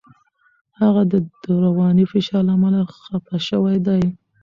هغه د رواني فشار له امله خپه شوی دی.